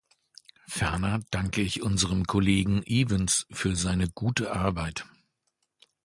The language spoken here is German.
Ferner danke ich unserem Kollegen Evans für seine gute Arbeit.